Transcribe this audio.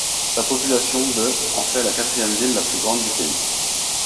Sa population de en fait la quatrième ville la plus grande du pays.